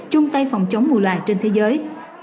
chung tay phòng chống mùa loài trên thế giới